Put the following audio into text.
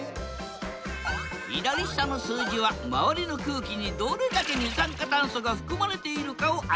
左下の数字は周りの空気にどれだけ二酸化炭素が含まれているかを表している。